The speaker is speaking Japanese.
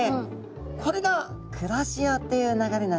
これが黒潮という流れなんですよね。